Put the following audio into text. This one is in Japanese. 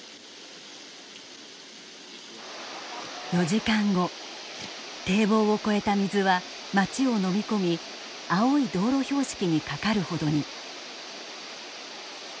４時間後堤防を越えた水は町をのみ込み青い道路標識にかかるほどに。